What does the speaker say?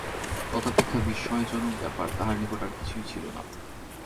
তদপেক্ষা বিস্ময়জনক ব্যাপার তাহার নিকট আর কিছুই ছিল না।